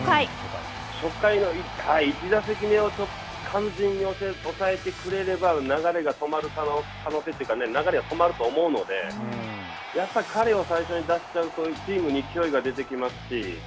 初回の、１打席目を完全に抑えてくれれば、流れが止まる可能性というかね、流れは止まると思うので、やっぱり彼を最初に出しちゃうと、チームに勢いが出てきますし。